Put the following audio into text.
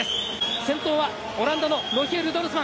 先頭はオランダのロヒエル・ドルスマン